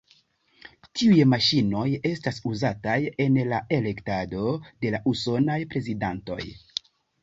Tiuj maŝinoj estas uzataj en la elektado de la usonaj prezidantoj.